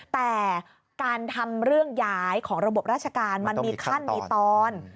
แต่การทำเรื่องย้ายของระบบราชการมันมีขั้นมีตอน